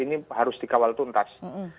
ini harus dikawal tuntas